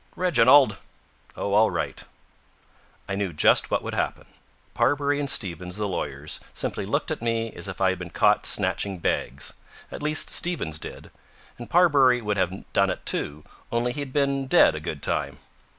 "Reginald!" "Oh, all right." I knew just what would happen. Parbury and Stevens, the lawyers, simply looked at me as if I had been caught snatching bags. At least, Stevens did. And Parbury would have done it, too, only he had been dead a good time.